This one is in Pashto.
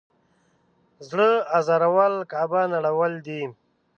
زړه ازارول کعبه نړول دی.